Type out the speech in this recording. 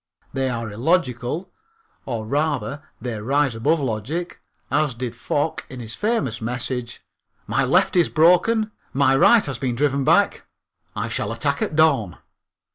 They are illogical or rather they rise above logic, as did Foch in his famous message: "My left is broken, my right has been driven back, I shall attack at dawn."